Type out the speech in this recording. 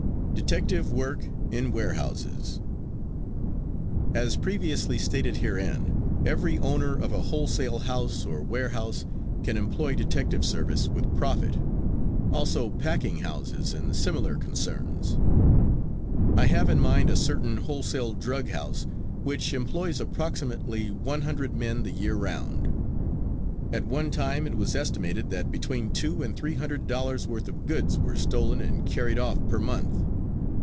DETECTIVE WORK IN WAREHOUSES As previously stated herein, every owner of a wholesale house or warehouse can employ detective service with profit, also packing houses and similar concerns. I have in mind a certain wholesale drug house which employs approximately one hundred men the year round. At one time it was estimated that between two and three hundred dollars worth of goods were stolen and carried off per month.